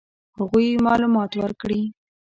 هغوی معلومات ورکړي.